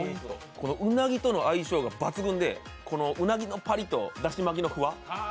うなぎとの相性が抜群で、うなぎのパリッとだし巻きのふわっ。